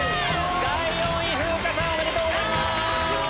第４位おめでとうございます！